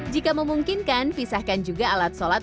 jika memungkinkan pisahkan juga alat sholat